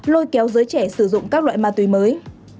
lôi kéo giới trẻ sử dụng các loại ma túy mới